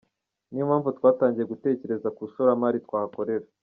Niyo mpamvu twatangiye gutekereza ku ishoramari twahakorera.